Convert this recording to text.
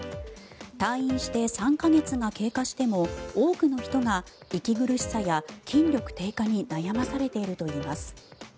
退院して３か月が経過しても多くの人が息苦しさや筋力低下に悩まされているといいます。